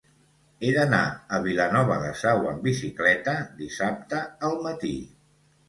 He d'anar a Vilanova de Sau amb bicicleta dissabte al matí.